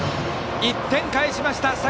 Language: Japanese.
１点返しました